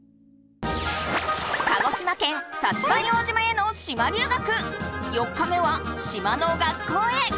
鹿児島県薩摩硫黄島への島留学！